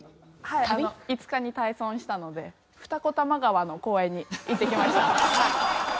５日に退村したので二子玉川の公園に行ってきました。